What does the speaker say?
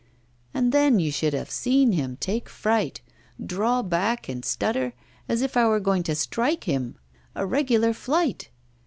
And then you should have seen him take fright, draw back and stutter, as if I were going to strike him. A regular flight!